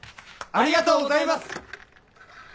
ありがとうございます！